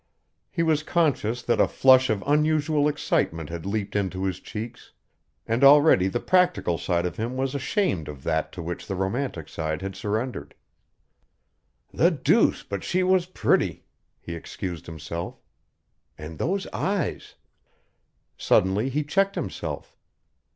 He was conscious that a flush of unusual excitement had leaped into his cheeks and already the practical side of him was ashamed of that to which the romantic side had surrendered. "The deuce, but she was pretty!" he excused himself. "And those eyes " Suddenly he checked himself.